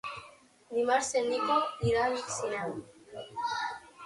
Dimarts en Nico irà al cinema.